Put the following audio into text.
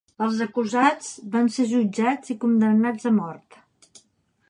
Els acusats van ser jutjats i condemnats a mort.